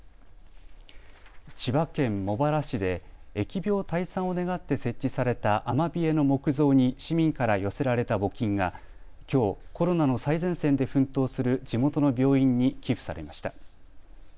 千葉県茂原市で疫病退散を願って設置されたアマビエの木像に市民から寄せられた募金がきょう、コロナの最前線で奮闘する地元の病院に寄付されました。